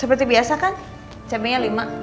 seperti biasa kan cabainya lima